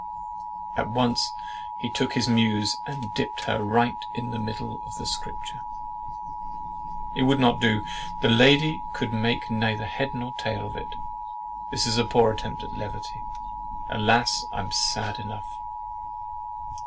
At once he took his Muse and dipt her Right in the middle of the Scripture. It would not do—the lady could make neither head nor tail of it. This is a poor attempt at levity. Alas! I am sad enough.